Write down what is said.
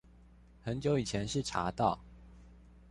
很久以前是查到